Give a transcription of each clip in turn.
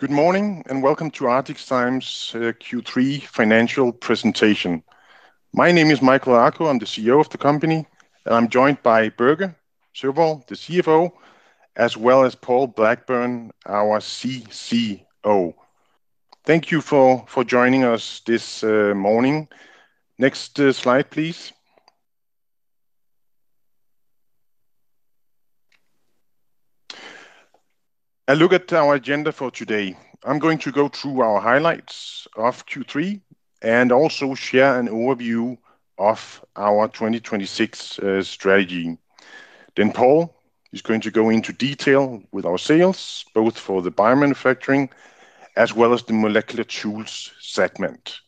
Good morning and welcome to ArcticZymes Q3 Financial Presentation. My name is Michael Akoh, I'm the CEO of the company, and I'm joined by Børge Sørvoll, the CFO, as well as Paul Blackburn, our CCO. Thank you for joining us this morning. Next slide, please. I look at our agenda for today. I'm going to go through our highlights of Q3 and also share an overview of our 2026 strategy. Paul is going to go into detail with our sales, both for the biomanufacturing as well as the molecular tools segment.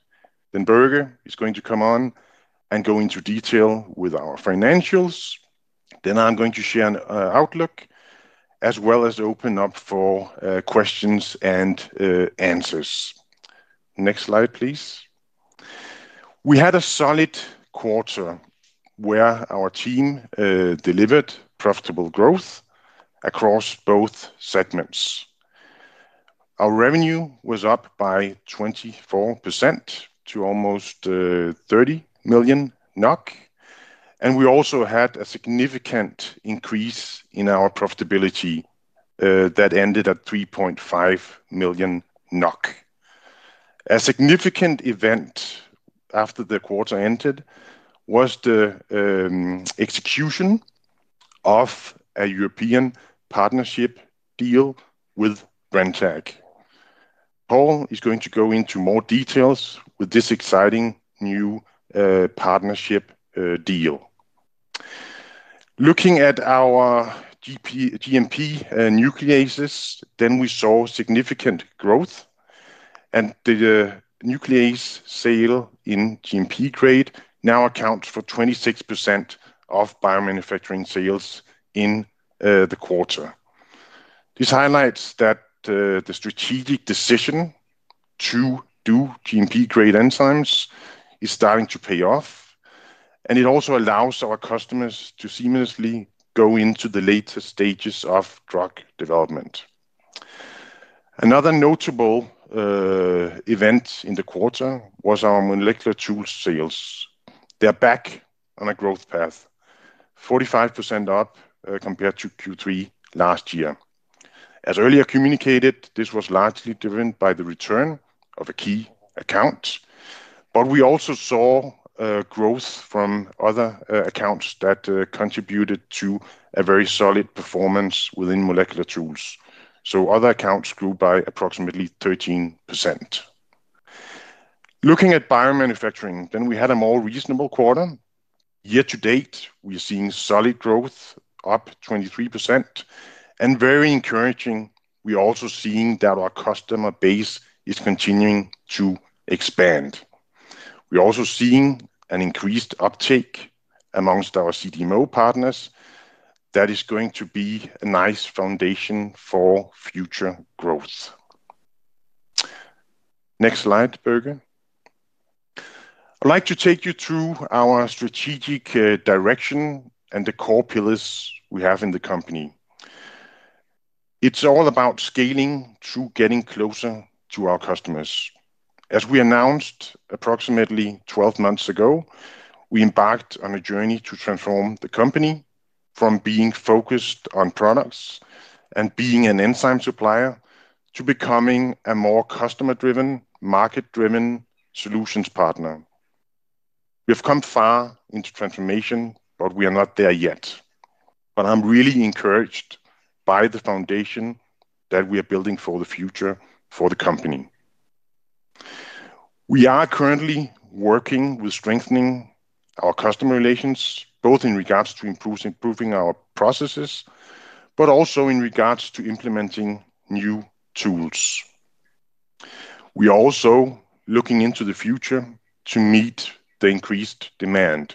Børge is going to come on and go into detail with our financials. I'm going to share an outlook as well as open up for questions and answers. Next slide, please. We had a solid quarter where our team delivered profitable growth across both segments. Our revenue was up by 24% to almost. 30 million NOK, and we also had a significant increase in our profitability. That ended at 3.5 million NOK. A significant event after the quarter ended was the execution of a European partnership deal with Brenntag. Paul is going to go into more details with this exciting new partnership deal. Looking at our GMP nucleases, we saw significant growth, and the nuclease sale in GMP grade now accounts for 26% of biomanufacturing sales in the quarter. This highlights that the strategic decision to do GMP-grade enzymes is starting to pay off. It also allows our customers to seamlessly go into the latest stages of drug development. Another notable event in the quarter was our molecular tools sales. They are back on a growth path, 45% up compared to Q3 last year. As earlier communicated, this was largely driven by the return of a key account. We also saw growth from other accounts that contributed to a very solid performance within molecular tools. Other accounts grew by approximately 13%. Looking at biomanufacturing, we had a more reasonable quarter. Year to date, we are seeing solid growth, up 23%. Very encouraging, we are also seeing that our customer base is continuing to expand. We are also seeing an increased uptake amongst our CDMO partners. That is going to be a nice foundation for future growth. Next slide, Børge. I'd like to take you through our strategic direction and the core pillars we have in the company. It's all about scaling through getting closer to our customers. As we announced approximately 12 months ago, we embarked on a journey to transform the company from being focused on products and being an enzyme supplier to becoming a more customer-driven, market-driven solutions partner. We have come far into transformation, but we are not there yet. I am really encouraged by the foundation that we are building for the future for the company. We are currently working with strengthening our customer relations, both in regards to improving our processes, but also in regards to implementing new tools. We are also looking into the future to meet the increased demand.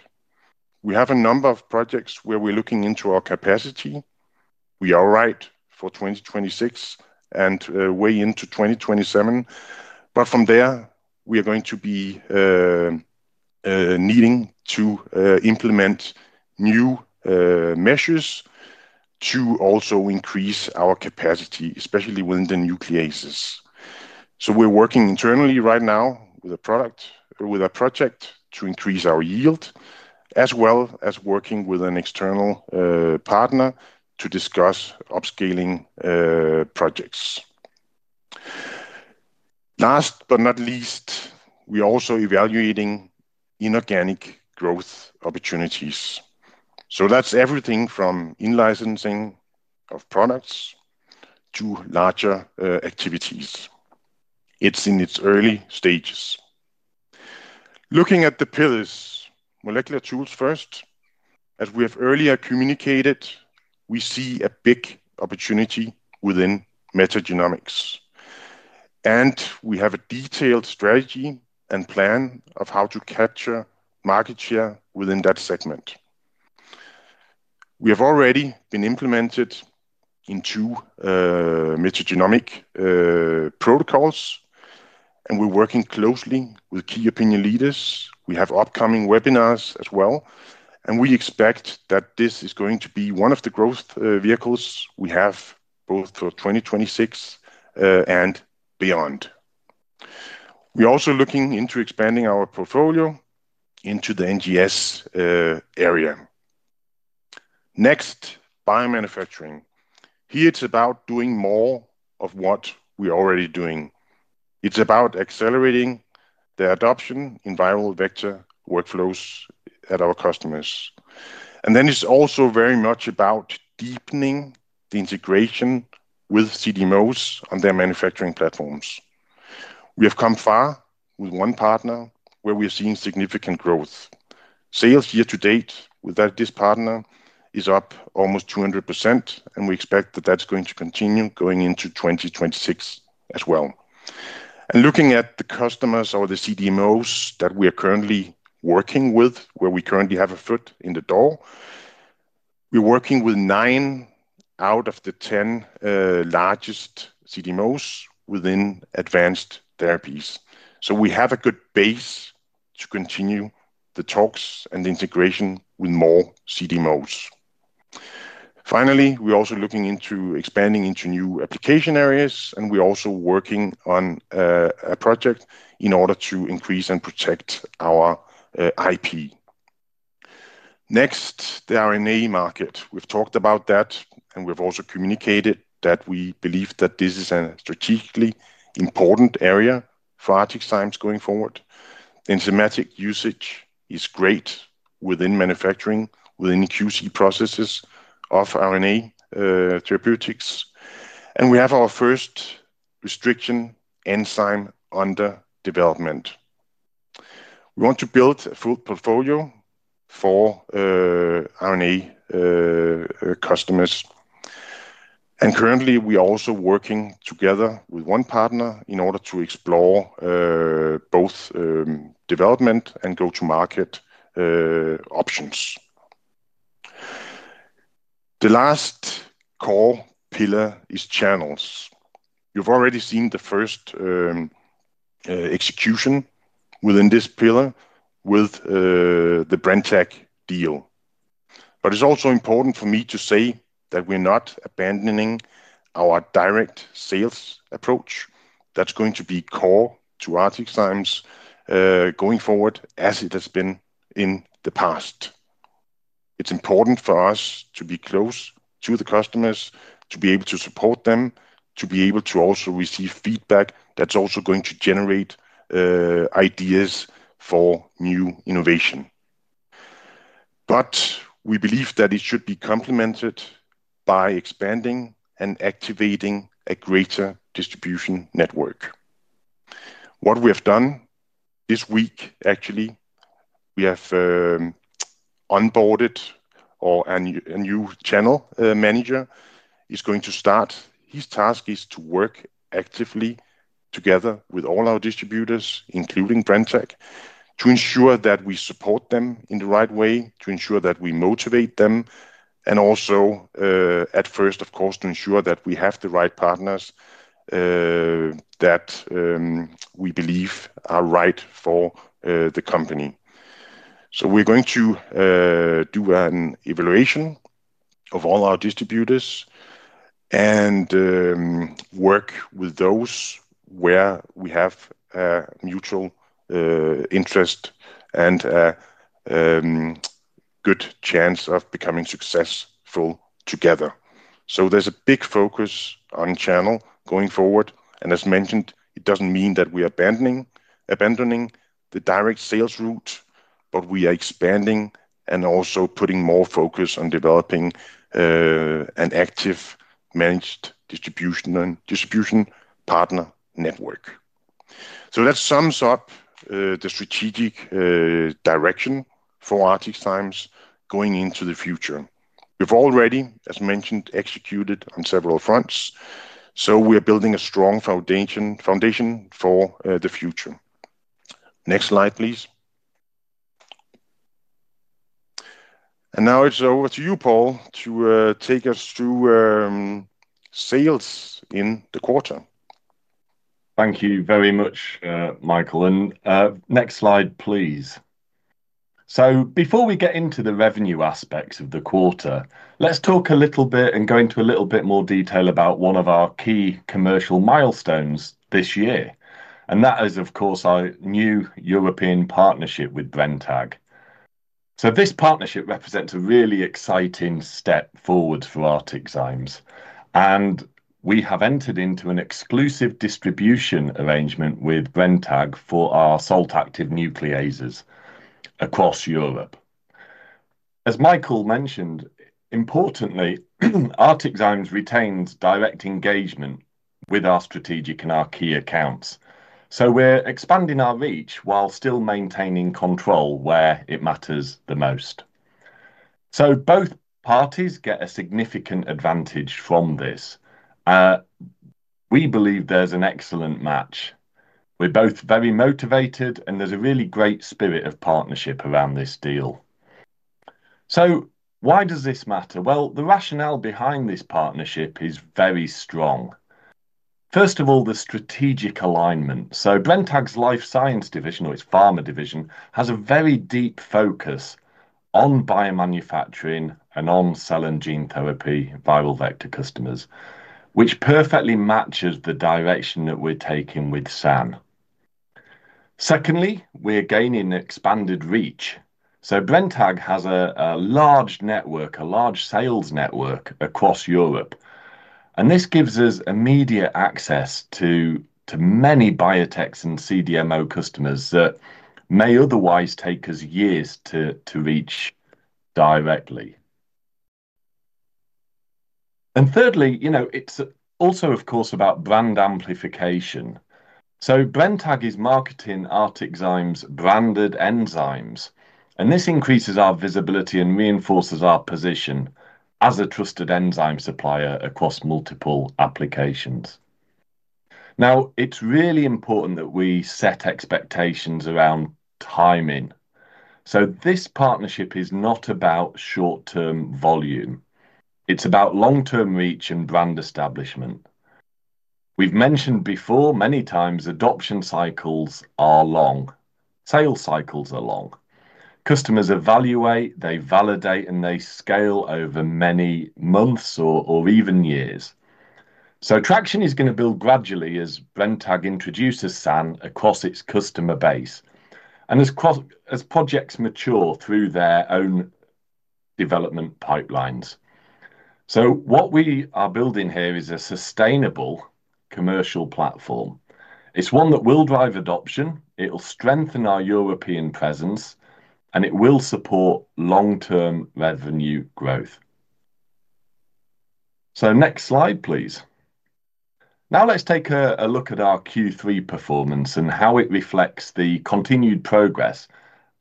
We have a number of projects where we are looking into our capacity. We are right for 2026 and way into 2027. From there, we are going to be needing to implement new measures to also increase our capacity, especially within the nucleases. We are working internally right now with a project to increase our yield, as well as working with an external partner to discuss upscaling projects. Last but not least, we are also evaluating inorganic growth opportunities. That's everything from in-licensing of products to larger activities. It's in its early stages. Looking at the pillars, molecular tools first. As we have earlier communicated, we see a big opportunity within metagenomics. We have a detailed strategy and plan of how to capture market share within that segment. We have already been implemented into metagenomic protocols. We're working closely with key opinion leaders. We have upcoming webinars as well. We expect that this is going to be one of the growth vehicles we have both for 2026 and beyond. We are also looking into expanding our portfolio into the NGS area. Next, biomanufacturing. Here, it's about doing more of what we're already doing. It's about accelerating the adoption in viral vector workflows at our customers. It's also very much about deepening the integration with CDMOs on their manufacturing platforms. We have come far with one partner where we are seeing significant growth. Sales year to date with this partner is up almost 200%, and we expect that that's going to continue going into 2026 as well. Looking at the customers or the CDMOs that we are currently working with, where we currently have a foot in the door. We're working with nine out of the ten largest CDMOs within advanced therapies. We have a good base to continue the talks and the integration with more CDMOs. Finally, we're also looking into expanding into new application areas, and we're also working on a project in order to increase and protect our IP. Next, the RNA market. We've talked about that, and we've also communicated that we believe that this is a strategically important area for ArcticZymes going forward. Enzymatic usage is great within manufacturing, within QC processes of RNA therapeutics. We have our first restriction enzyme under development. We want to build a full portfolio for RNA customers. Currently, we are also working together with one partner in order to explore both development and go-to-market options. The last core pillar is channels. You've already seen the first execution within this pillar with the Brenntag deal. It's also important for me to say that we're not abandoning our direct sales approach. That's going to be core to ArcticZymes going forward as it has been in the past. It's important for us to be close to the customers, to be able to support them, to be able to also receive feedback that's also going to generate ideas for new innovation. We believe that it should be complemented by expanding and activating a greater distribution network. What we have done this week, actually, we have onboarded a new channel manager. He's going to start. His task is to work actively together with all our distributors, including Brenntag, to ensure that we support them in the right way, to ensure that we motivate them, and also, at first, of course, to ensure that we have the right partners that we believe are right for the company. We are going to do an evaluation of all our distributors and work with those where we have mutual interest and good chance of becoming successful together. There is a big focus on channel going forward. As mentioned, it does not mean that we are abandoning the direct sales route, but we are expanding and also putting more focus on developing an active managed distribution partner network. That sums up the strategic direction for ArcticZymes going into the future. We've already, as mentioned, executed on several fronts. We are building a strong foundation for the future. Next slide, please. Now it's over to you, Paul, to take us through sales in the quarter. Thank you very much, Michael. Next slide, please. Before we get into the revenue aspects of the quarter, let's talk a little bit and go into a little bit more detail about one of our key commercial milestones this year. That is, of course, our new European partnership with Brenntag. This partnership represents a really exciting step forward for ArcticZymes. We have entered into an exclusive distribution arrangement with Brenntag for our salt active nucleases across Europe. As Michael mentioned, importantly, ArcticZymes retains direct engagement with our strategic and our key accounts. We are expanding our reach while still maintaining control where it matters the most. Both parties get a significant advantage from this. We believe there is an excellent match. We are both very motivated, and there is a really great spirit of partnership around this deal. Why does this matter? The rationale behind this partnership is very strong. First of all, the strategic alignment. Brenntag's life science division, or its pharma division, has a very deep focus on biomanufacturing and on cell and gene therapy viral vector customers, which perfectly matches the direction that we're taking with SAN. Secondly, we're gaining expanded reach. Brenntag has a large network, a large sales network across Europe. This gives us immediate access to many biotechs and CDMO customers that may otherwise take us years to reach directly. Thirdly, it's also, of course, about brand amplification. Brenntag is marketing ArcticZymes branded enzymes. This increases our visibility and reinforces our position as a trusted enzyme supplier across multiple applications. Now, it's really important that we set expectations around timing. This partnership is not about short-term volume. It's about long-term reach and brand establishment. We've mentioned before many times adoption cycles are long. Sales cycles are long. Customers evaluate, they validate, and they scale over many months or even years. Traction is going to build gradually as Brenntag introduces SAN across its customer base and as projects mature through their own development pipelines. What we are building here is a sustainable commercial platform. It's one that will drive adoption. It'll strengthen our European presence, and it will support long-term revenue growth. Next slide, please. Now, let's take a look at our Q3 performance and how it reflects the continued progress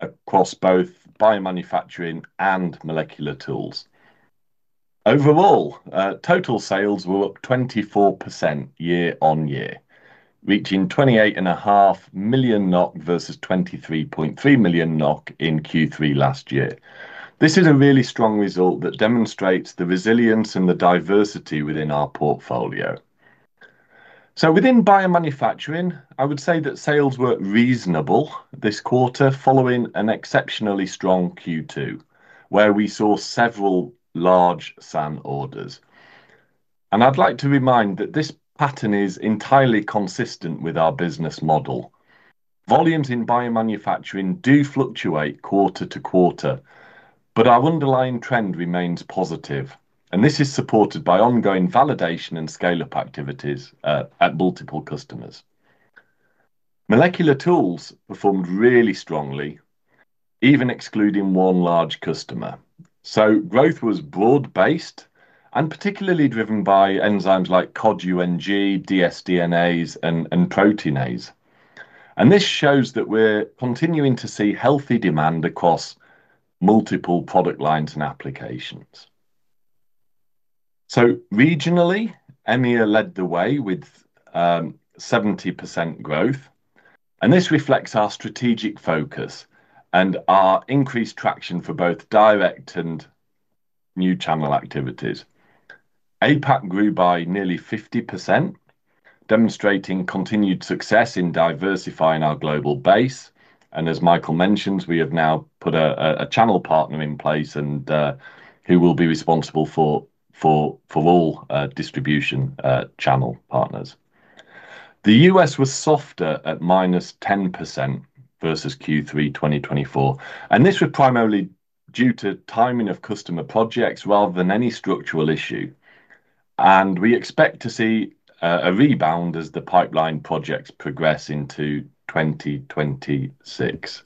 across both biomanufacturing and molecular tools. Overall, total sales were up 24% year on year, reaching 28.5 million NOK versus 23.3 million NOK in Q3 last year. This is a really strong result that demonstrates the resilience and the diversity within our portfolio. Within biomanufacturing, I would say that sales were reasonable this quarter following an exceptionally strong Q2, where we saw several large SAN orders. I'd like to remind that this pattern is entirely consistent with our business model. Volumes in biomanufacturing do fluctuate quarter to quarter, but our underlying trend remains positive. This is supported by ongoing validation and scale-up activities at multiple customers. Molecular tools performed really strongly, even excluding one large customer. Growth was broad-based and particularly driven by enzymes like Cod UNG, dsDNase, and proteinase. This shows that we're continuing to see healthy demand across multiple product lines and applications. Regionally, EMEA led the way with 70% growth. This reflects our strategic focus and our increased traction for both direct and new channel activities. APAC grew by nearly 50%, demonstrating continued success in diversifying our global base. As Michael mentioned, we have now put a channel partner in place who will be responsible for all distribution channel partners. The US was softer at -10% versus Q3 2024. This was primarily due to timing of customer projects rather than any structural issue. We expect to see a rebound as the pipeline projects progress into 2026.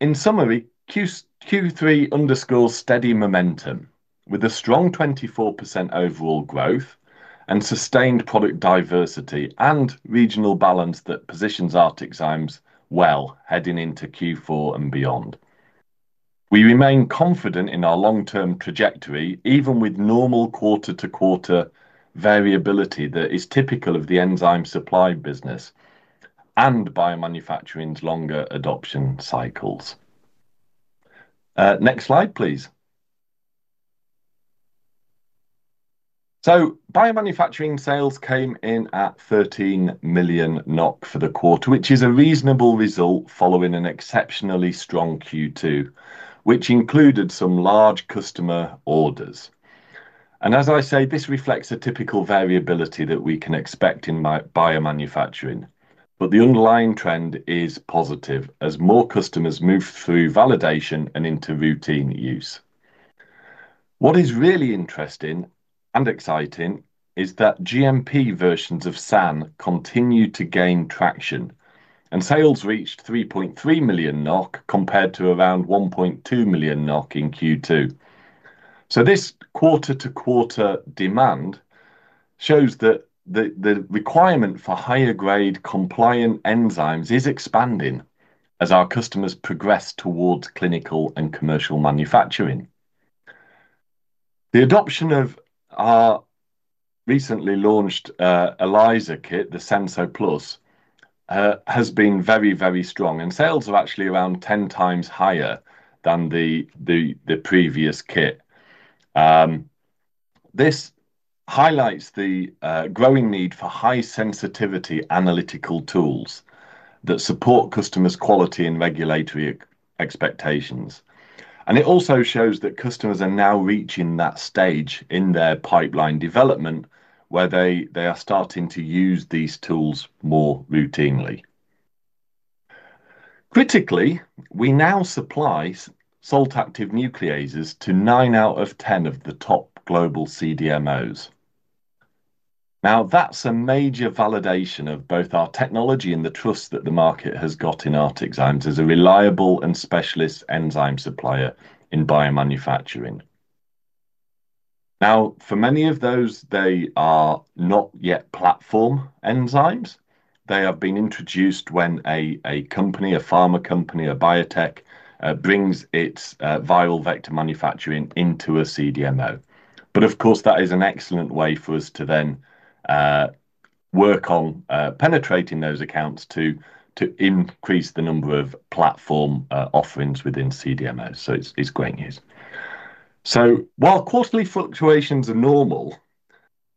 In summary, Q3 underscores steady momentum with a strong 24% overall growth and sustained product diversity and regional balance that positions ArcticZymes well heading into Q4 and beyond. We remain confident in our long-term trajectory, even with normal quarter-to-quarter variability that is typical of the enzyme supply business and biomanufacturing's longer adoption cycles. Next slide, please. Biomanufacturing sales came in at 13 million NOK for the quarter, which is a reasonable result following an exceptionally strong Q2, which included some large customer orders. This reflects a typical variability that we can expect in biomanufacturing. The underlying trend is positive as more customers move through validation and into routine use. What is really interesting and exciting is that GMP versions of SAN continue to gain traction, and sales reached 3.3 million NOK compared to around 1.2 million NOK in Q2. This quarter-to-quarter demand shows that the requirement for higher-grade compliant enzymes is expanding as our customers progress towards clinical and commercial manufacturing. The adoption of our recently launched ELISA kit, the SensoPlus, has been very, very strong, and sales are actually around 10x higher than the previous kit. This highlights the growing need for high-sensitivity analytical tools that support customers' quality and regulatory expectations. It also shows that customers are now reaching that stage in their pipeline development where they are starting to use these tools more routinely. Critically, we now supply salt-active nucleases to 9 out of 10 of the top global CDMOs. Now, that's a major validation of both our technology and the trust that the market has got in ArcticZymes as a reliable and specialist enzyme supplier in biomanufacturing. For many of those, they are not yet platform enzymes. They have been introduced when a company, a pharma company, a biotech brings its viral vector manufacturing into a CDMO. Of course, that is an excellent way for us to then work on penetrating those accounts to increase the number of platform offerings within CDMOs. It's great news. While quarterly fluctuations are normal,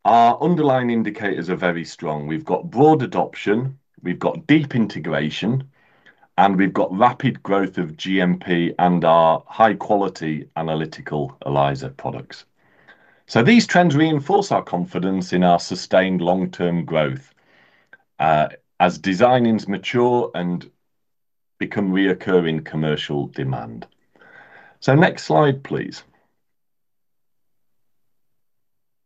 our underlying indicators are very strong. We've got broad adoption, we've got deep integration, and we've got rapid growth of GMP and our high-quality analytical ELISA products. These trends reinforce our confidence in our sustained long-term growth as designs mature and become reoccurring commercial demand. Next slide, please.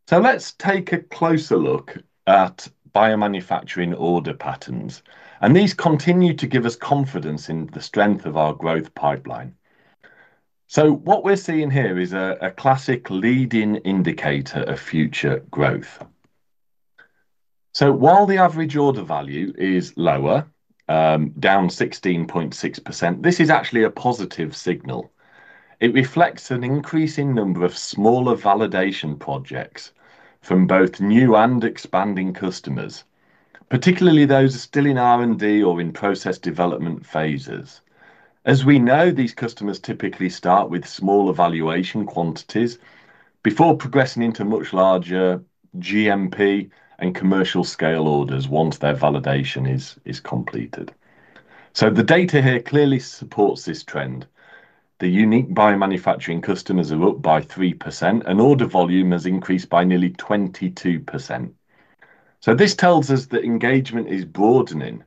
Let's take a closer look at biomanufacturing order patterns. These continue to give us confidence in the strength of our growth pipeline. What we're seeing here is a classic leading indicator of future growth. While the average order value is lower, down 16.6%, this is actually a positive signal. It reflects an increasing number of smaller validation projects from both new and expanding customers, particularly those still in R&D or in process development phases. As we know, these customers typically start with smaller validation quantities before progressing into much larger GMP and commercial scale orders once their validation is completed. The data here clearly supports this trend. The unique biomanufacturing customers are up by 3%, and order volume has increased by nearly 22%. This tells us that engagement is broadening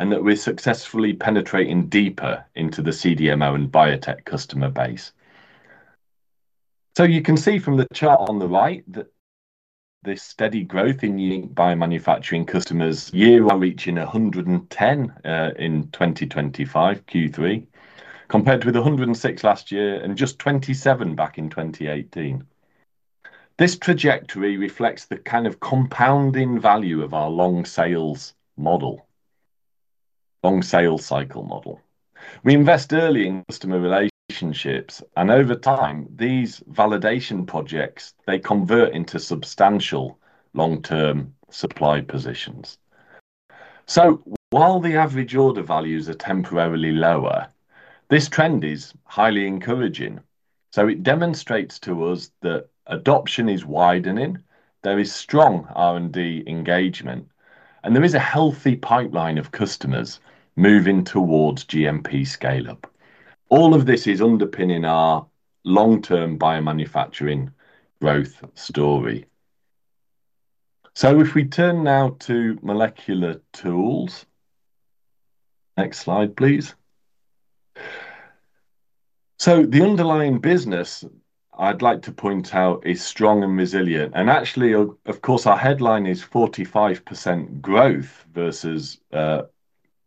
and that we're successfully penetrating deeper into the CDMO and biotech customer base. You can see from the chart on the right that this steady growth in unique biomanufacturing customers year-round is reaching 110 in 2025 Q3, compared with 106 last year and just 27 back in 2018. This trajectory reflects the kind of compounding value of our long sales cycle model. We invest early in customer relationships, and over time, these validation projects, they convert into substantial long-term supply positions. While the average order values are temporarily lower, this trend is highly encouraging. It demonstrates to us that adoption is widening, there is strong R&D engagement, and there is a healthy pipeline of customers moving towards GMP scale-up. All of this is underpinning our long-term biomanufacturing growth story. If we turn now to molecular tools. Next slide, please. The underlying business, I'd like to point out, is strong and resilient. Actually, of course, our headline is 45% growth versus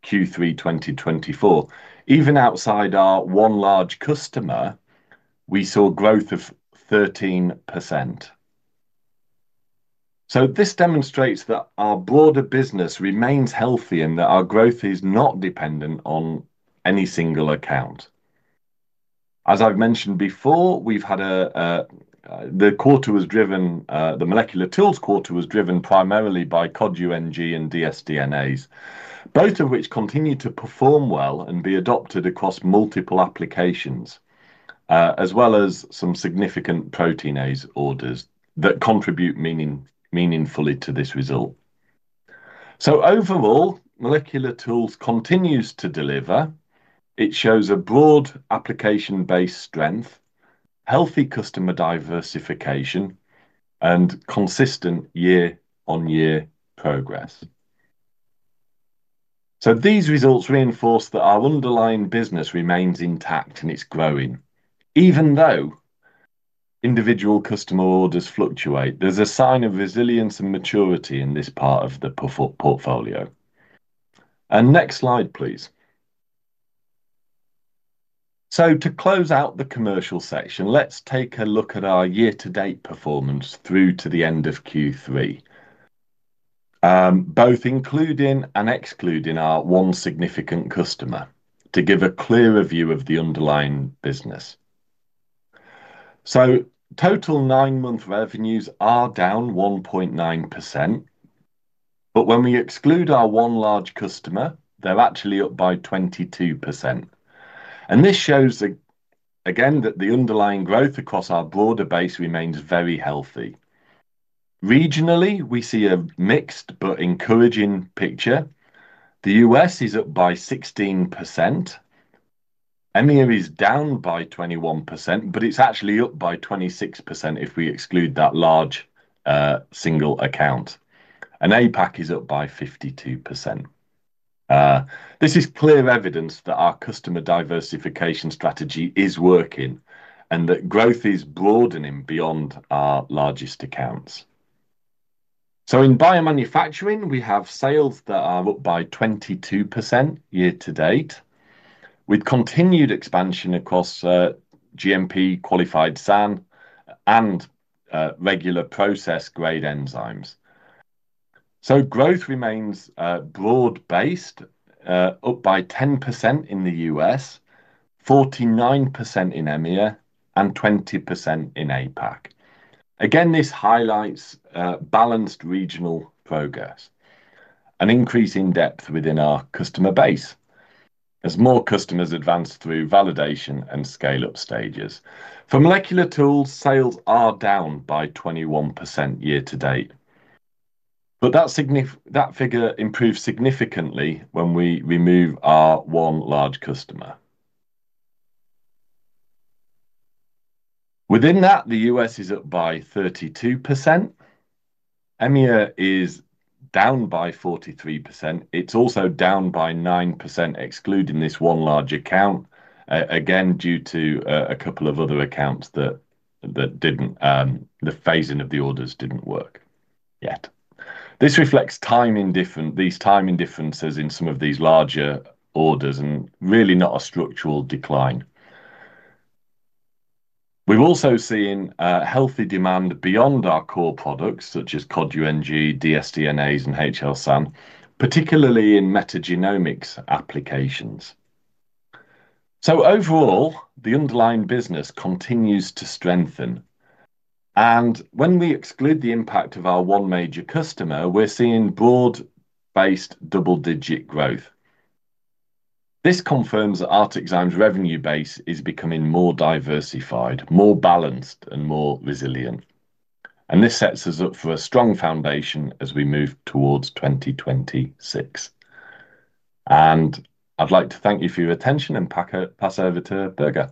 Q3 2024. Even outside our one large customer, we saw growth of 13%. This demonstrates that our broader business remains healthy and that our growth is not dependent on any single account. As I've mentioned before, the quarter was driven, the molecular tools quarter was driven primarily by Cod UNG and dsDNase, both of which continue to perform well and be adopted across multiple applications. As well as some significant proteinase orders that contribute meaningfully to this result. Overall, molecular tools continues to deliver. It shows a broad application-based strength, healthy customer diversification, and consistent year-on-year progress. These results reinforce that our underlying business remains intact and it is growing. Even though individual customer orders fluctuate, there is a sign of resilience and maturity in this part of the portfolio. Next slide, please. To close out the commercial section, let's take a look at our year-to-date performance through to the end of Q3, both including and excluding our one significant customer to give a clearer view of the underlying business. Total nine-month revenues are down 1.9%. When we exclude our one large customer, they are actually up by 22%. This shows again that the underlying growth across our broader base remains very healthy. Regionally, we see a mixed but encouraging picture. The US is up by 16%. EMEA is down by 21%, but it's actually up by 26% if we exclude that large single account. APAC is up by 52%. This is clear evidence that our customer diversification strategy is working and that growth is broadening beyond our largest accounts. In biomanufacturing, we have sales that are up by 22% year-to-date with continued expansion across GMP qualified SAN and regular process grade enzymes. Growth remains broad-based, up by 10% in the US, 49% in EMEA, and 20% in APAC. This highlights balanced regional progress and increasing depth within our customer base as more customers advance through validation and scale-up stages. For molecular tools, sales are down by 21% year-to-date, but that figure improves significantly when we remove our one large customer. Within that, the US is up by 32%. EMEA is down by 43%. It's also down by 9% excluding this one large account, again due to a couple of other accounts that. The phasing of the orders did not work yet. This reflects timing differences in some of these larger orders and really not a structural decline. We are also seeing healthy demand beyond our core products such as Cod UNG, dsDNase, and HL-SAN, particularly in metagenomics applications. Overall, the underlying business continues to strengthen. When we exclude the impact of our one major customer, we are seeing broad-based double-digit growth. This confirms that ArcticZymes' revenue base is becoming more diversified, more balanced, and more resilient. This sets us up for a strong foundation as we move towards 2026. I would like to thank you for your attention and pass over to Børge.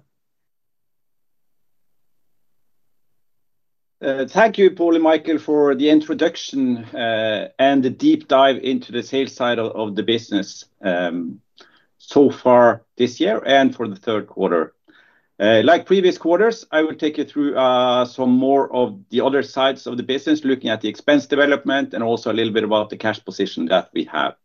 Thank you, Paul and Michael, for the introduction. The deep dive into the sales side of the business. So far this year and for the third quarter. Like previous quarters, I will take you through some more of the other sides of the business, looking at the expense development and also a little bit about the cash position that we have.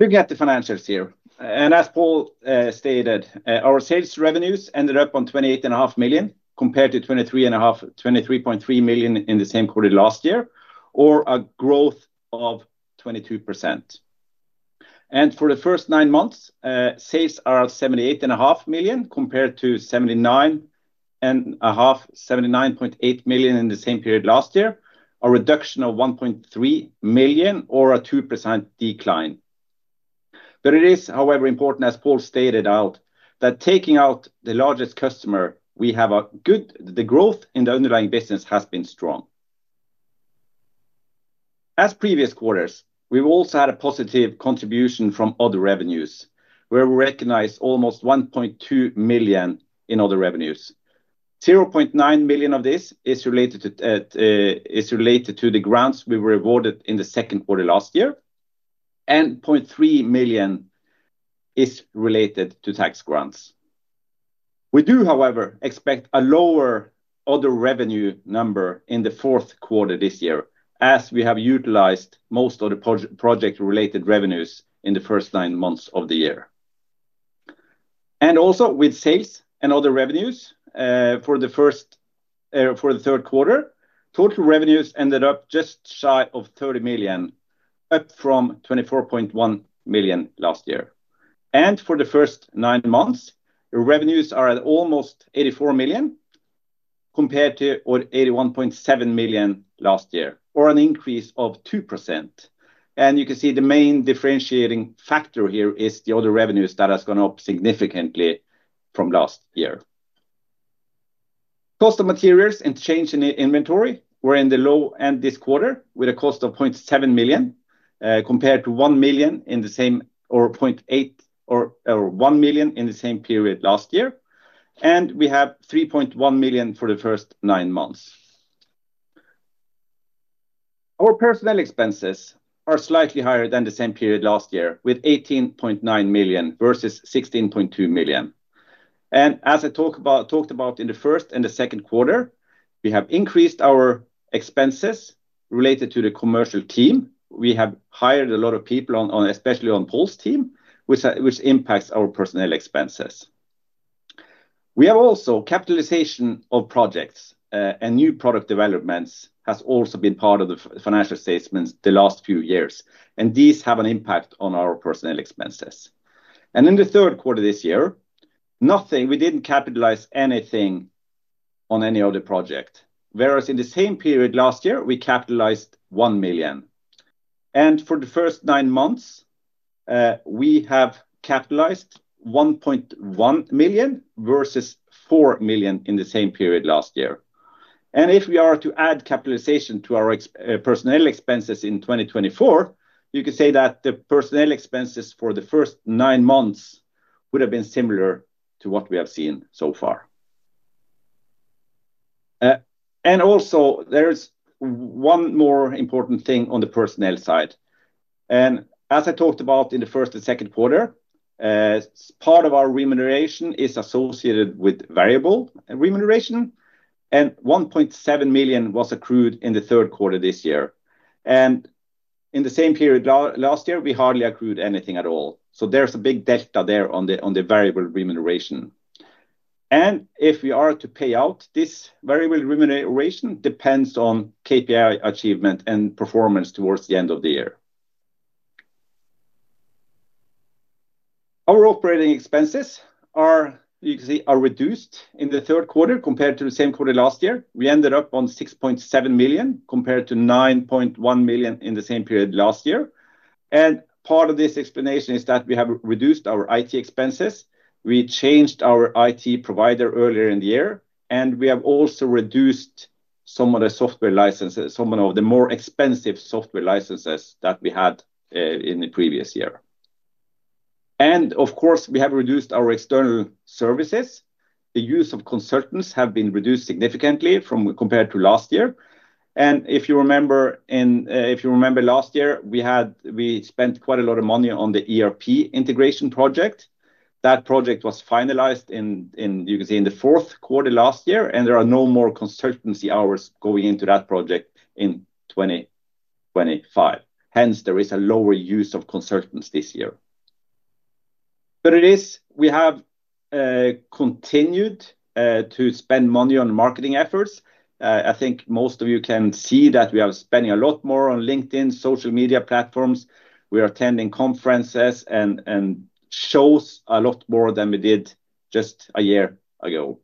Looking at the financials here. As Paul stated, our sales revenues ended up on 28.5 million compared to 23.3 million in the same quarter last year, or a growth of 22%. For the first nine months, sales are at 78.5 million compared to 79.8 million in the same period last year, a reduction of 1.3 million or a 2% decline. It is, however, important, as Paul stated, that taking out the largest customer, the growth in the underlying business has been strong. As previous quarters, we've also had a positive contribution from other revenues, where we recognize almost 1.2 million in other revenues. 0.9 million of this is related to the grants we were awarded in the second quarter last year, and 0.3 million is related to tax grants. We do, however, expect a lower other revenue number in the fourth quarter this year, as we have utilized most of the project-related revenues in the first nine months of the year. Also, with sales and other revenues for the third quarter, total revenues ended up just shy of 30 million, up from 24.1 million last year. For the first nine months, revenues are at almost 84 million, compared to 81.7 million last year, or an increase of 2%. You can see the main differentiating factor here is the other revenues that have gone up significantly from last year. Cost of materials and change in inventory were in the low end this quarter, with a cost of 0.7 million compared to 0.8-1 million in the same period last year. We have 3.1 million for the first nine months. Our personnel expenses are slightly higher than the same period last year, with 18.9 million versus 16.2 million. As I talked about in the first and the second quarter, we have increased our expenses related to the commercial team. We have hired a lot of people, especially on Paul's team, which impacts our personnel expenses. We have also capitalization of projects, and new product developments have also been part of the financial statements the last few years. These have an impact on our personnel expenses. In the third quarter this year, we did not capitalize anything on any other project. Whereas in the same period last year, we capitalized 1 million. For the first nine months, we have capitalized 1.1 million versus 4 million in the same period last year. If we are to add capitalization to our personnel expenses in 2024, you can say that the personnel expenses for the first nine months would have been similar to what we have seen so far. There is one more important thing on the personnel side. As I talked about in the first and second quarter, part of our remuneration is associated with variable remuneration. 1.7 million was accrued in the third quarter this year. In the same period last year, we hardly accrued anything at all. There is a big delta there on the variable remuneration. If we are to pay out this variable remuneration, it depends on KPI achievement and performance towards the end of the year. Our operating expenses are, you can see, reduced in the third quarter compared to the same quarter last year. We ended up on 6.7 million compared to 9.1 million in the same period last year. Part of this explanation is that we have reduced our IT expenses. We changed our IT provider earlier in the year. We have also reduced some of the software licenses, some of the more expensive software licenses that we had in the previous year. Of course, we have reduced our external services. The use of consultants has been reduced significantly compared to last year. If you remember last year, we spent quite a lot of money on the ERP integration project. That project was finalized in, you can see, in the fourth quarter last year. There are no more consultancy hours going into that project in 2025. Hence, there is a lower use of consultants this year. It is, we have. Continued to spend money on marketing efforts. I think most of you can see that we are spending a lot more on LinkedIn, social media platforms. We are attending conferences and. Shows a lot more than we did just a year ago.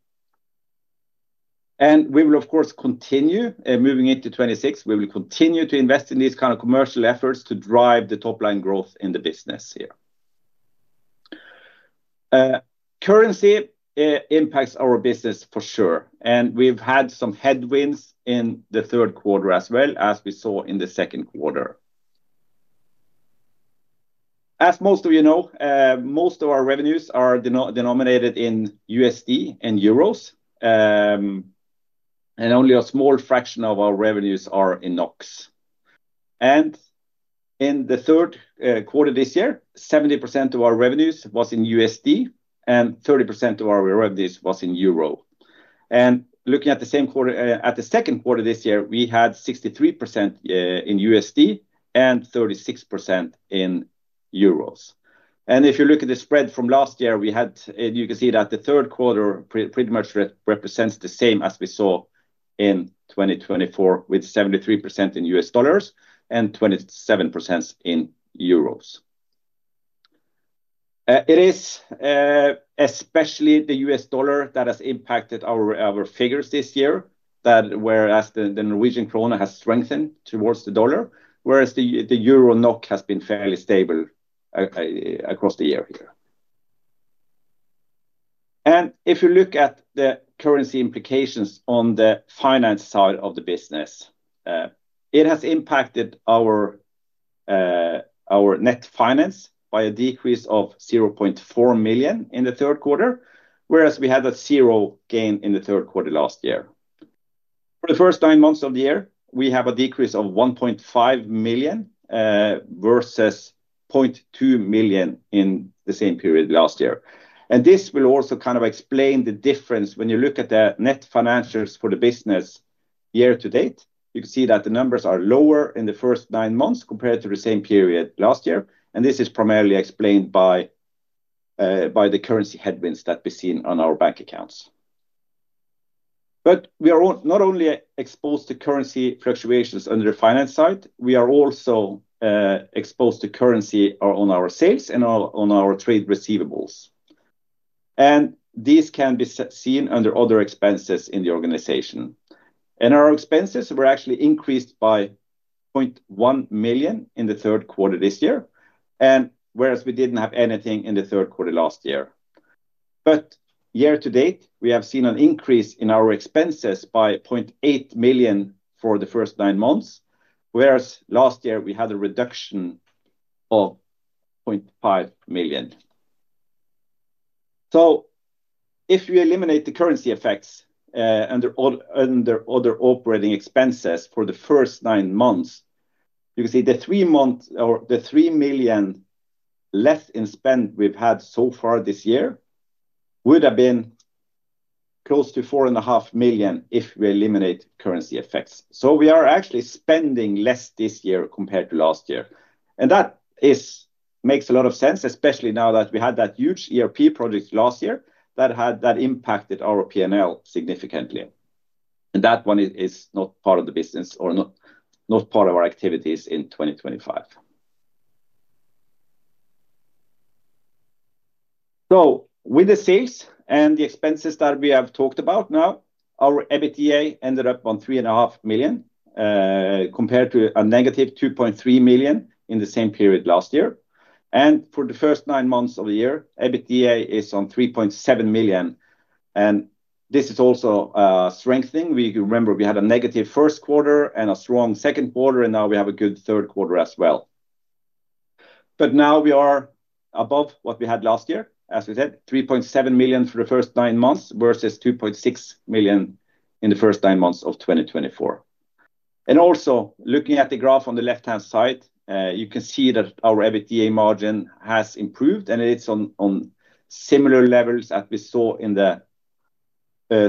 We will, of course, continue moving into 2026. We will continue to invest in these kinds of commercial efforts to drive the top-line growth in the business here. Currency impacts our business for sure. We have had some headwinds in the third quarter as well, as we saw in the second quarter. As most of you know, most of our revenues are denominated in $ and euros. Only a small fraction of our revenues are in NOK. In the third quarter this year, 70% of our revenues was in $ and 30% of our revenues was in euro. Looking at the same quarter, at the second quarter this year, we had 63% in $ and 36% in euros. If you look at the spread from last year, you can see that the third quarter pretty much represents the same as we saw in 2024, with 73% in $ and 27% in euros. It is especially the $ that has impacted our figures this year, whereas the Norwegian krone has strengthened towards the dollar, whereas the euro NOK has been fairly stable across the year here. If you look at the currency implications on the finance side of the business, it has impacted our net finance by a decrease of 0.4 million in the third quarter, whereas we had a zero gain in the third quarter last year. For the first nine months of the year, we have a decrease of 1.5 million versus 0.2 million in the same period last year. This will also kind of explain the difference when you look at the net financials for the business year-to-date. You can see that the numbers are lower in the first nine months compared to the same period last year. This is primarily explained by the currency headwinds that we see on our bank accounts. We are not only exposed to currency fluctuations on the finance side, we are also exposed to currency on our sales and on our trade receivables. These can be seen under other expenses in the organization. Our expenses were actually increased by 0.1 million in the third quarter this year, whereas we did not have anything in the third quarter last year. Year-to-date, we have seen an increase in our expenses by 0.8 million for the first nine months, whereas last year we had a reduction of 0.5 million. If you eliminate the currency effects under other operating expenses for the first nine months, you can see the 3 million less in spend we have had so far this year would have been close to 4.5 million if we eliminate currency effects. We are actually spending less this year compared to last year. That makes a lot of sense, especially now that we had that huge ERP project last year that impacted our P&L significantly. That one is not part of the business or not part of our activities in 2025. With the sales and the expenses that we have talked about now, our EBITDA ended up on 3.5 million, compared to a -2.3 million in the same period last year. For the first nine months of the year, EBITDA is on 3.7 million. This is also strengthening. We remember we had a negative first quarter and a strong second quarter, and now we have a good third quarter as well. Now we are above what we had last year, as we said, 3.7 million for the first nine months versus 2.6 million in the first nine months of 2024. Also, looking at the graph on the left-hand side, you can see that our EBITDA margin has improved, and it is on similar levels that we saw in the.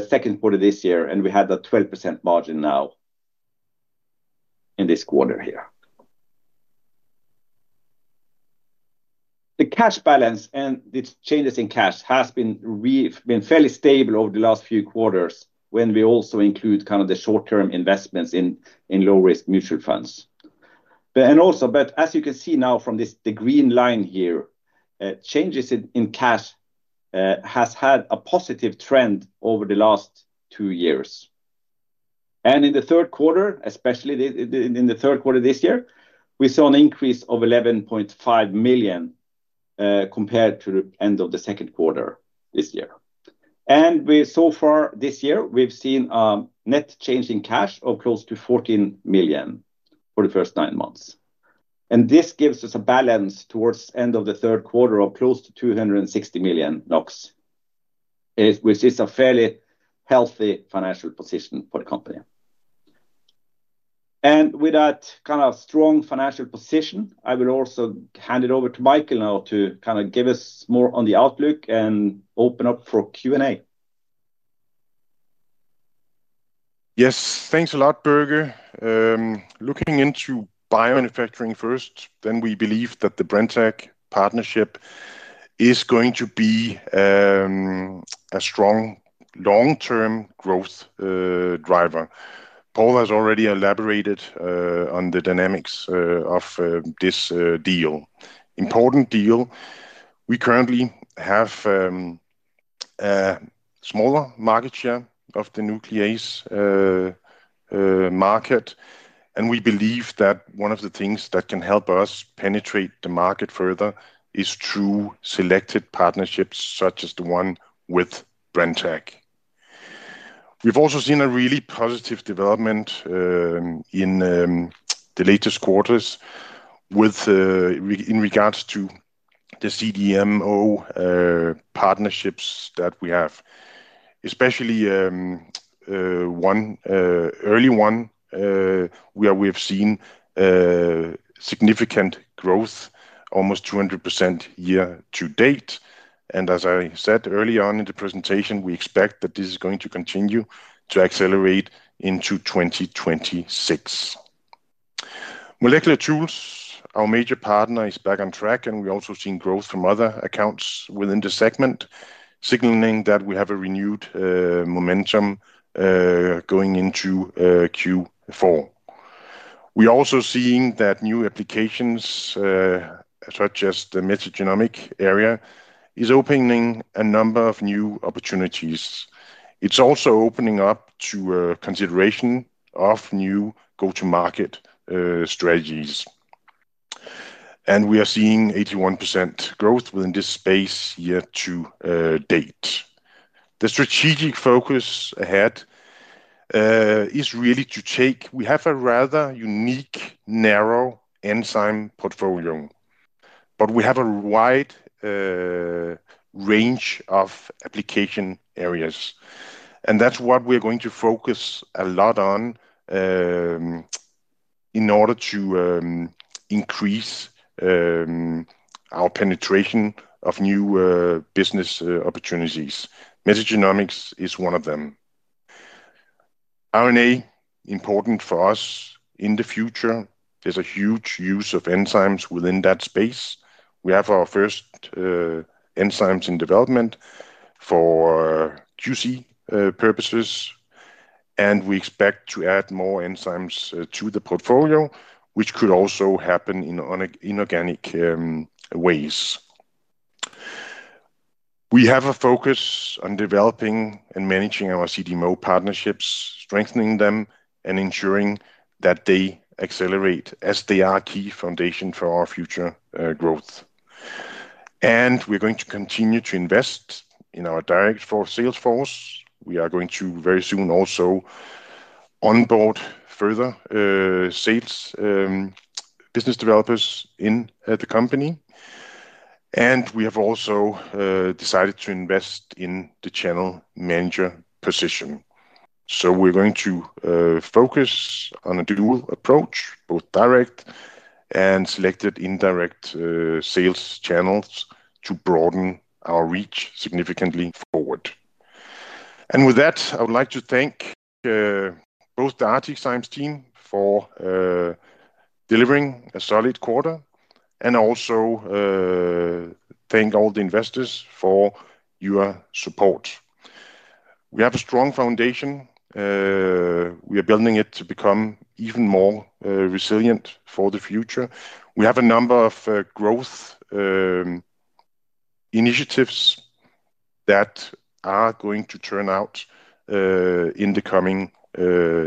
Second quarter this year, and we had a 12% margin now. In this quarter here. The cash balance and the changes in cash have been fairly stable over the last few quarters when we also include kind of the short-term investments in low-risk mutual funds. Also, as you can see now from the green line here, changes in cash have had a positive trend over the last two years. In the third quarter, especially in the third quarter this year, we saw an increase of 11.5 million compared to the end of the second quarter this year. So far this year, we've seen a net change in cash of close to 14 million for the first nine months. This gives us a balance towards the end of the third quarter of close to 260 million NOK. Which is a fairly healthy financial position for the company. With that kind of strong financial position, I will also hand it over to Michael now to kind of give us more on the outlook and open up for Q&A. Yes, thanks a lot, Børge. Looking into biomanufacturing first, we believe that the Brenntag partnership is going to be a strong long-term growth driver. Paul has already elaborated on the dynamics of this deal. Important deal. We currently have a smaller market share of the nuclease market, and we believe that one of the things that can help us penetrate the market further is through selected partnerships such as the one with Brenntag. We've also seen a really positive development in the latest quarters in regards to the CDMO partnerships that we have, especially one early one where we have seen significant growth, almost 200% year-to-date. As I said early on in the presentation, we expect that this is going to continue to accelerate into 2026. Molecular Tools, our major partner, is back on track, and we have also seen growth from other accounts within the segment, signaling that we have a renewed momentum. Going into Q4, we are also seeing that new applications, such as the metagenomic area, are opening a number of new opportunities. It is also opening up to consideration of new go-to-market strategies, and we are seeing 81% growth within this space year-to-date. The strategic focus ahead is really to take—we have a rather unique narrow enzyme portfolio, but we have a wide range of application areas. That is what we are going to focus a lot on in order to increase our penetration of new business opportunities. Metagenomics is one of them. RNA, important for us in the future. There's a huge use of enzymes within that space. We have our first enzymes in development for juicy purposes, and we expect to add more enzymes to the portfolio, which could also happen in organic ways. We have a focus on developing and managing our CDMO partnerships, strengthening them, and ensuring that they accelerate as they are a key foundation for our future growth. We are going to continue to invest in our direct sales force. We are going to very soon also onboard further sales business developers in the company. We have also decided to invest in the channel manager position. We are going to focus on a dual approach, both direct and selected indirect sales channels, to broaden our reach significantly forward. With that, I would like to thank both the ArcticZymes team for delivering a solid quarter and also. Thank all the investors for your support. We have a strong foundation. We are building it to become even more resilient for the future. We have a number of growth initiatives that are going to turn out in the coming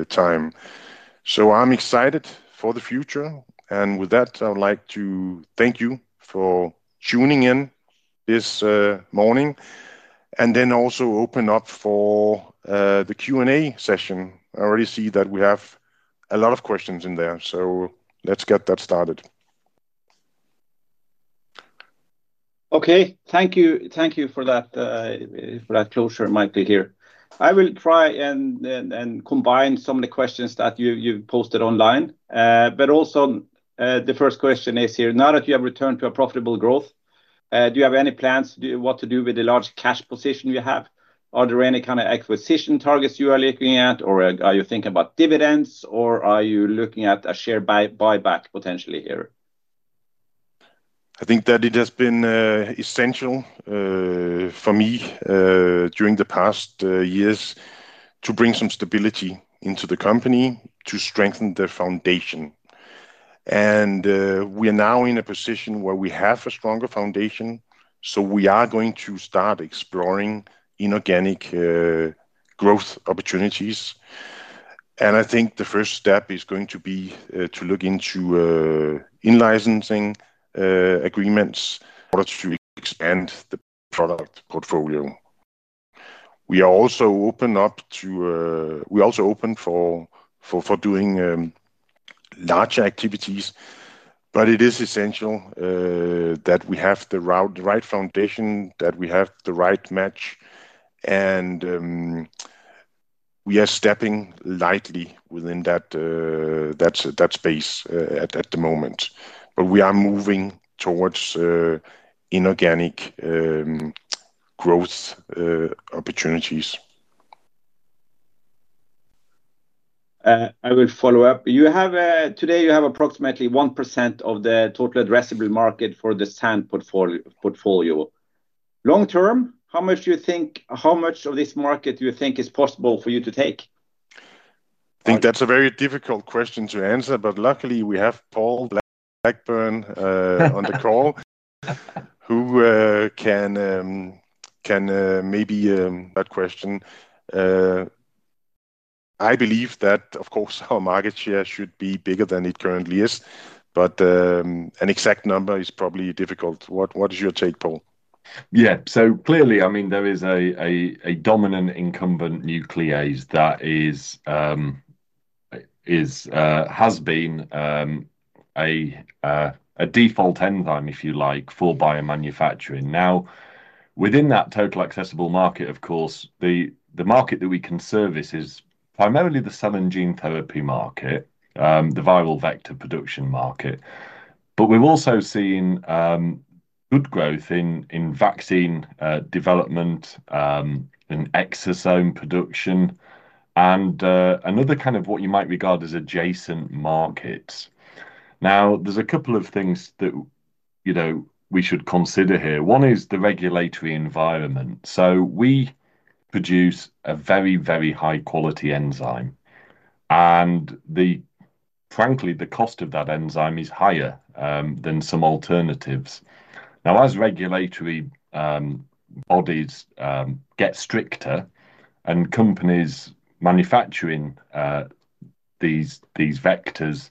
time. I am excited for the future. With that, I would like to thank you for tuning in this morning and also open up for the Q&A session. I already see that we have a lot of questions in there, so let's get that started. Thank you for that. Closure, Michael here. I will try and combine some of the questions that you have posted online, but also the first question is here. Now that you have returned to a profitable growth, do you have any plans what to do with the large cash position you have? Are there any kind of acquisition targets you are looking at, or are you thinking about dividends, or are you looking at a share buyback potentially here? I think that it has been essential for me during the past years to bring some stability into the company to strengthen the foundation. We are now in a position where we have a stronger foundation, so we are going to start exploring inorganic growth opportunities. I think the first step is going to be to look into in-licensing agreements to expand the product portfolio. We are also open for doing larger activities, but it is essential that we have the right foundation, that we have the right match, and we are stepping lightly within that space at the moment. We are moving towards inorganic growth opportunities. I will follow up. Today, you have approximately 1% of the total addressable market for the SAN portfolio. Long term, how much do you think—how much of this market do you think is possible for you to take? I think that's a very difficult question to answer, but luckily, we have Paul Blackburn on the call. Who can. Maybe. That question. I believe that, of course, our market share should be bigger than it currently is, but. An exact number is probably difficult. What is your take, Paul? Yeah, so clearly, I mean, there is a dominant incumbent nuclease that. Has been. A. Default enzyme, if you like, for biomanufacturing. Now, within that total accessible market, of course, the market that we can service is primarily the cell and gene therapy market, the viral vector production market. But we've also seen. Good growth in vaccine development. Exosome production, and another kind of what you might regard as adjacent markets. There are a couple of things that we should consider here. One is the regulatory environment. We produce a very, very high-quality enzyme. Frankly, the cost of that enzyme is higher than some alternatives. As regulatory bodies get stricter and companies manufacturing these vectors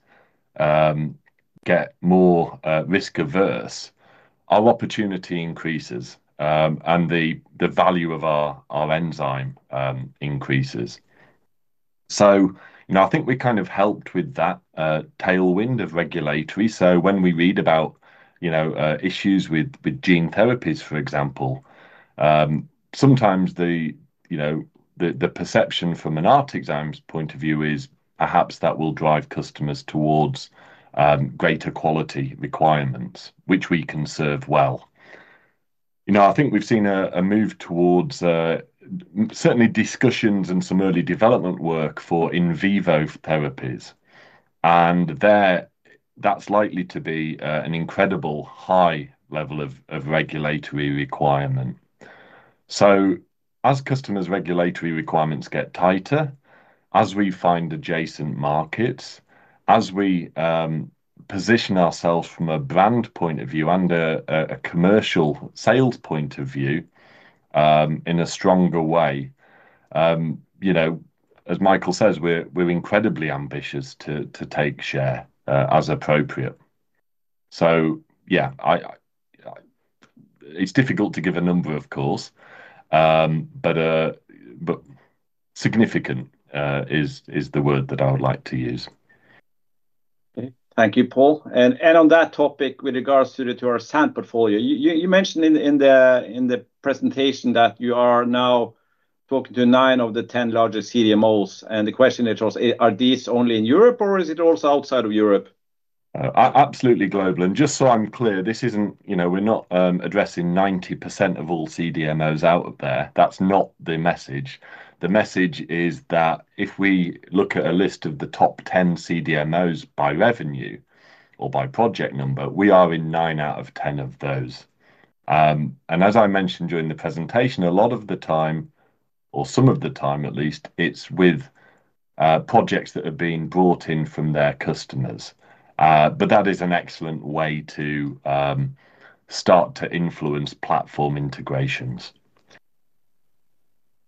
get more risk-averse, our opportunity increases, and the value of our enzyme increases. I think we kind of helped with that tailwind of regulatory. When we read about issues with gene therapies, for example, sometimes the perception from an ArcticZymes point of view is perhaps that will drive customers towards greater quality requirements, which we can serve well. I think we've seen a move towards certainly discussions and some early development work for in vivo therapies. That is likely to be an incredibly high level of regulatory requirement. As customers' regulatory requirements get tighter, as we find adjacent markets, as we position ourselves from a brand point of view and a commercial sales point of view in a stronger way. As Michael says, we are incredibly ambitious to take share as appropriate. Yeah, it is difficult to give a number, of course. Significant is the word that I would like to use. Thank you, Paul. On that topic, with regards to our SAN portfolio, you mentioned in the presentation that you are now talking to nine of the ten largest CDMOs. The question is, are these only in Europe, or is it also outside of Europe? Absolutely global. Just so I am clear, this is not—we are not addressing 90% of all CDMOs out there. That is not the message. The message is that if we look at a list of the top 10 CDMOs by revenue or by project number, we are in 9 out of 10 of those. As I mentioned during the presentation, a lot of the time, or some of the time at least, it is with projects that have been brought in from their customers. That is an excellent way to start to influence platform integrations.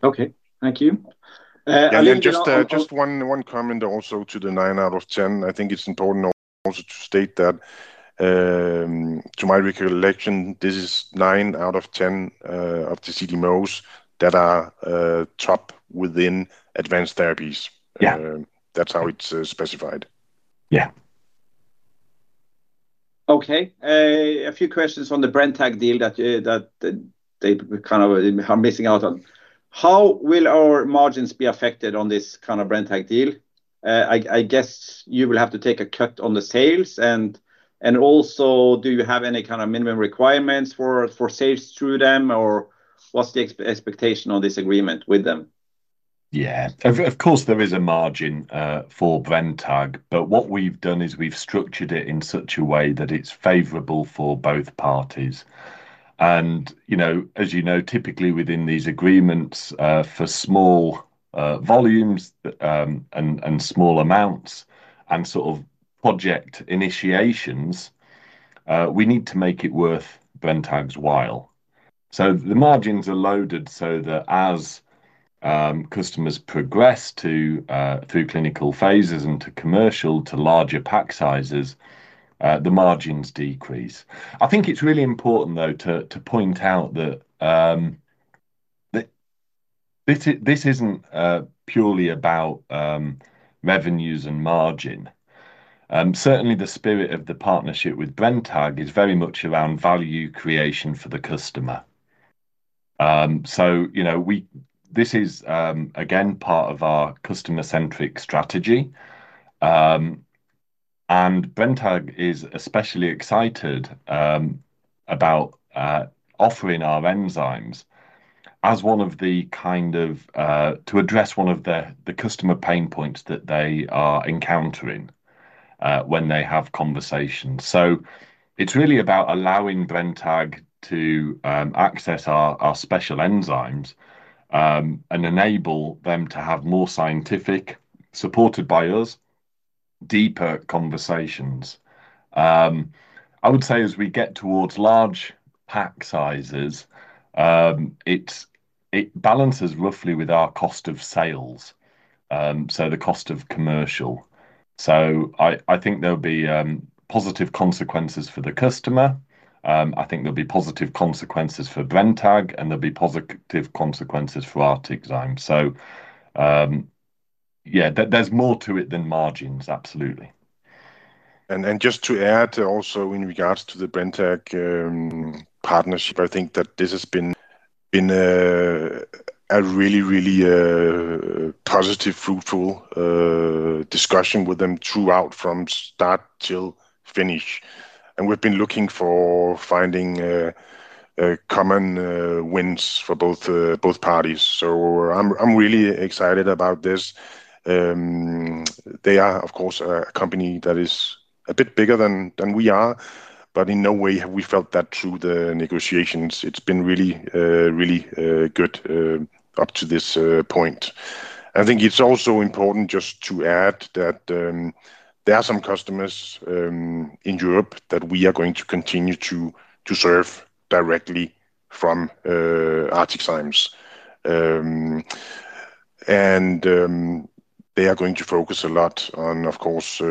Okay. Thank you. Just one comment also to the 9 out of 10. I think it is important also to state that, to my recollection, this is 9 out of 10 of the CDMOs that are top within advanced therapies. That is how it is specified. Yeah. Okay. A few questions on the Brenntag deal that they kind of are missing out on. How will our margins be affected on this kind of Brenntag deal? I guess you will have to take a cut on the sales. Also, do you have any kind of minimum requirements for sales through them, or what's the expectation on this agreement with them? Yeah. Of course, there is a margin for Brenntag, but what we've done is we've structured it in such a way that it's favorable for both parties. As you know, typically within these agreements, for small volumes and small amounts and sort of project initiations, we need to make it worth Brenntag's while. The margins are loaded so that as customers progress through clinical phases and to commercial to larger pack sizes, the margins decrease. I think it's really important, though, to point out that this isn't purely about revenues and margin. Certainly, the spirit of the partnership with Brenntag is very much around value creation for the customer. This is, again, part of our customer-centric strategy. Brenntag is especially excited about offering our enzymes as one of the kind of—to address one of the customer pain points that they are encountering when they have conversations. It is really about allowing Brenntag to access our special enzymes and enable them to have more scientific, supported by us, deeper conversations. I would say as we get towards large pack sizes, it balances roughly with our cost of sales, so the cost of commercial. I think there will be positive consequences for the customer. I think there will be positive consequences for Brenntag, and there will be positive consequences for ArcticZymes. There is more to it than margins, absolutely. Just to add also in regards to the Brenntag partnership, I think that this has been a really, really positive, fruitful discussion with them throughout from start till finish. We have been looking for finding common wins for both parties. I am really excited about this. They are, of course, a company that is a bit bigger than we are, but in no way have we felt that through the negotiations. It has been really, really good up to this point. I think it is also important just to add that there are some customers in Europe that we are going to continue to serve directly from ArcticZymes. They are going to focus a lot on, of course,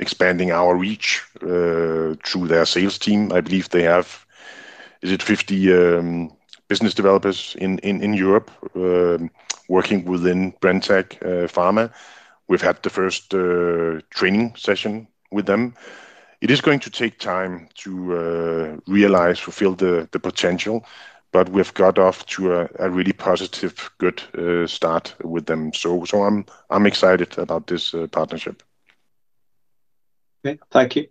expanding our reach through their sales team. I believe they have, is it 50 business developers in Europe working within Brenntag Pharma. We have had the first training session with them. It is going to take time to realize, fulfill the potential, but we have got off to a really positive, good start with them. I am excited about this partnership. Okay. Thank you.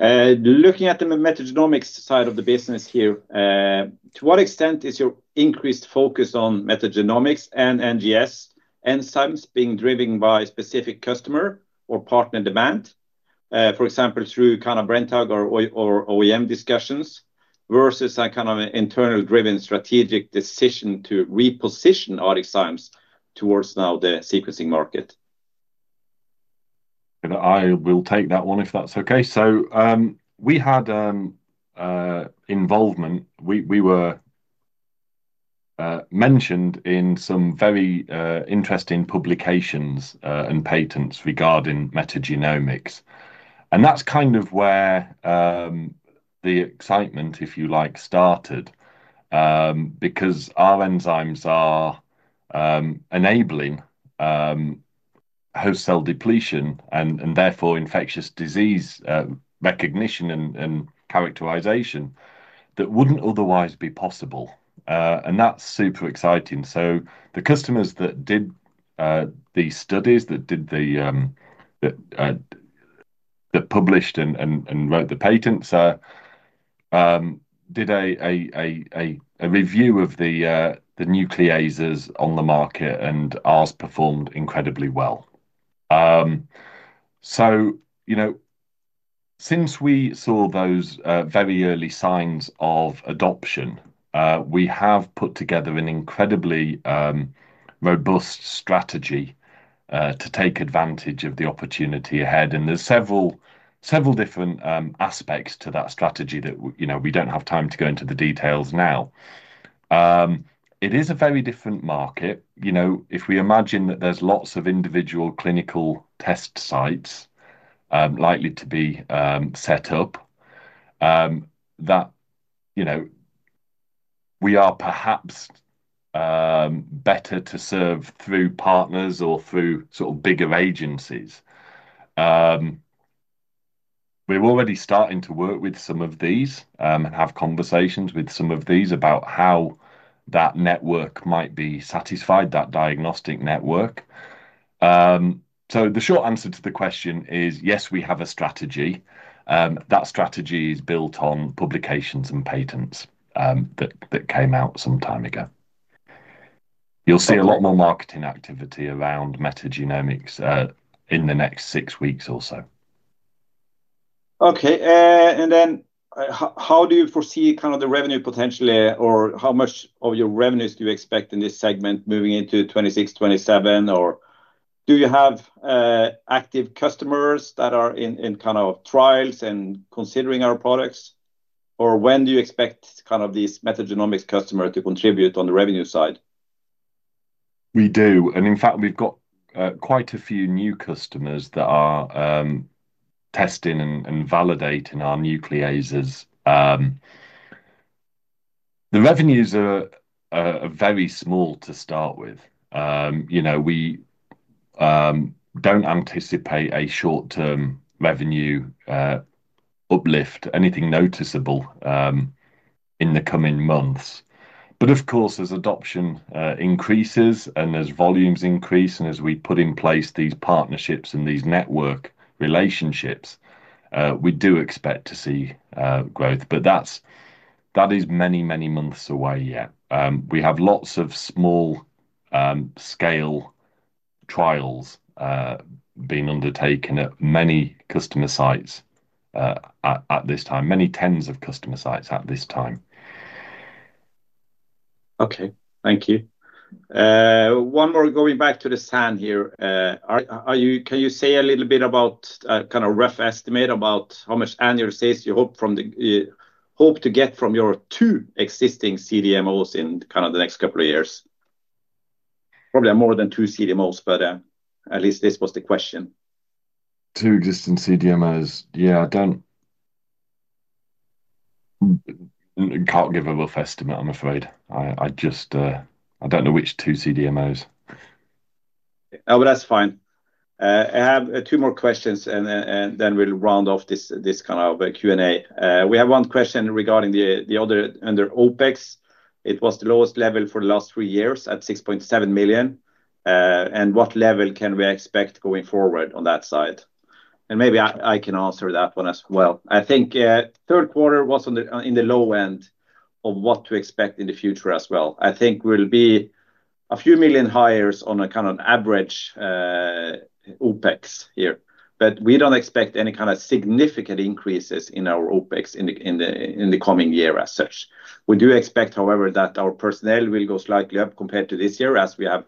Looking at the metagenomics side of the business here, to what extent is your increased focus on metagenomics and NGS and SAN being driven by specific customer or partner demand, for example, through kind of Brenntag or OEM discussions versus kind of an internal-driven strategic decision to reposition ArcticZymes towards now the sequencing market? I will take that one if that's okay. We had involvement. We were mentioned in some very interesting publications and patents regarding metagenomics. That's kind of where the excitement, if you like, started. Because our enzymes are enabling host cell depletion and therefore infectious disease recognition and characterization that wouldn't otherwise be possible. That's super exciting. The customers that did these studies, that published and wrote the patents, did a review of the nucleases on the market and ours performed incredibly well. Since we saw those very early signs of adoption, we have put together an incredibly robust strategy to take advantage of the opportunity ahead. There are several different aspects to that strategy that we do not have time to go into the details now. It is a very different market. If we imagine that there are lots of individual clinical test sites likely to be set up, that we are perhaps better to serve through partners or through sort of bigger agencies. We are already starting to work with some of these and have conversations with some of these about how that network might be satisfied, that diagnostic network. The short answer to the question is, yes, we have a strategy. That strategy is built on publications and patents that came out some time ago. You will see a lot more marketing activity around metagenomics in the next six weeks or so. Okay. How do you foresee kind of the revenue potentially, or how much of your revenues do you expect in this segment moving into 2026, 2027? Do you have active customers that are in kind of trials and considering our products? When do you expect kind of these metagenomics customers to contribute on the revenue side? We do. In fact, we've got quite a few new customers that are testing and validating our nucleases. The revenues are very small to start with. We do not anticipate a short-term revenue uplift, anything noticeable in the coming months. Of course, as adoption increases and as volumes increase and as we put in place these partnerships and these network relationships, we do expect to see growth. That is many, many months away yet. We have lots of small-scale trials being undertaken at many customer sites. At this time, many tens of customer sites at this time. Okay. Thank you. One more going back to the SAN here. Can you say a little bit about kind of rough estimate about how much annual sales you hope to get from your two existing CDMOs in kind of the next couple of years? Probably more than two CDMOs, but at least this was the question. Two existing CDMOs. Yeah. I can't give a rough estimate, I'm afraid. I don't know which two CDMOs. Oh, that's fine. I have two more questions, and then we'll round off this kind of Q&A. We have one question regarding the other under OpEx. It was the lowest level for the last three years at 6.7 million. And what level can we expect going forward on that side? And maybe I can answer that one as well. I think third quarter was in the low end of what to expect in the future as well. I think we'll be a few million higher on a kind of average OpEx here. We do not expect any kind of significant increases in our OpEx in the coming year as such. We do expect, however, that our personnel will go slightly up compared to this year as we have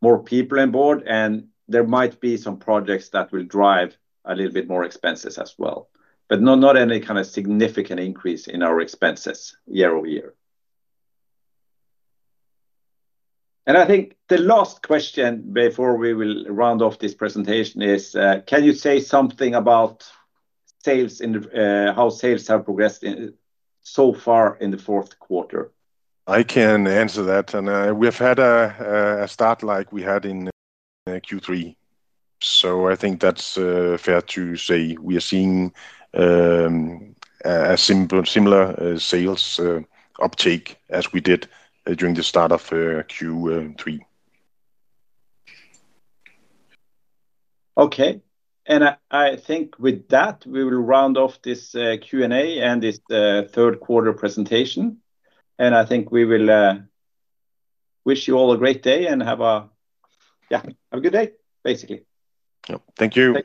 more people on board, and there might be some projects that will drive a little bit more expenses as well. Not any kind of significant increase in our expenses year over year. I think the last question before we will round off this presentation is, can you say something about how sales have progressed so far in the fourth quarter? I can answer that. We've had a start like we had in Q3. I think that's fair to say we are seeing a similar sales uptake as we did during the start of Q3. Okay. I think with that, we will round off this Q&A and this third quarter presentation. I think we will wish you all a great day and have a good day, basically. Yep. Thank you.